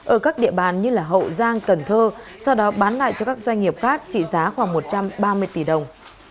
ở các địa bàn như hậu giang cần thơ sau đó bán lại cho các doanh nghiệp khác trị giá khoảng một trăm ba mươi tỷ đồng